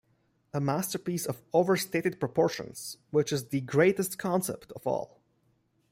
A masterpiece of overstated proportions, which is the greatest concept of all.